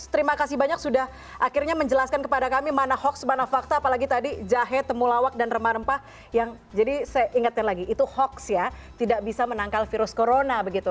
terima kasih banyak sudah akhirnya menjelaskan kepada kami mana hoax mana fakta apalagi tadi jahe temulawak dan rempah rempah yang jadi saya ingatkan lagi itu hoax ya tidak bisa menangkal virus corona begitu